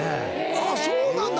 あっそうなんだ！